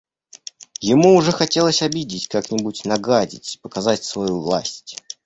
Ему уже хотелось обидеть, как-нибудь нагадить, показать свою власть.